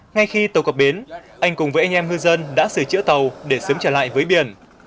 ngay khi tàu cập bến anh cùng với anh em ngư dân đã sửa chữa tàu để sớm trở lại với biển